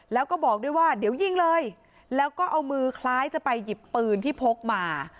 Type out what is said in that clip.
แล้วก็บอกด้วยว่าเดี๋ยวยิงเลยแล้วก็เอามือคล้ายจะไปหยิบปืนที่พกมา